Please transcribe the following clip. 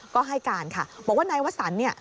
ก็ให้การค่ะบอกว่านายวสัน